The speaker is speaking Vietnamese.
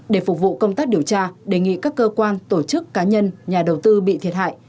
để phục vụ công tác điều tra đề nghị các cơ quan tổ chức cá nhân nhà đầu tư bị thiệt hại